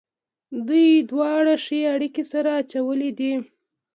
دوی دواړو ښې اړېکې سره اچولې دي.